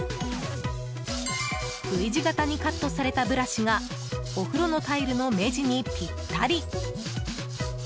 Ｖ字型にカットされたブラシがお風呂のタイルの目地にピッタリ。